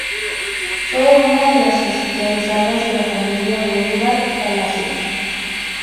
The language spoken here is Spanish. Fue una de las esclavizadas de la familia Bolívar Palacios.